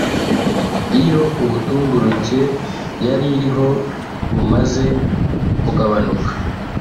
Iyo ubutumburuke yari iriho bumaze kugabanuka